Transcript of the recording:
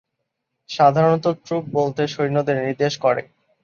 সাধারণত, ট্রুপ বলতে সৈনিকদের নির্দেশ করে।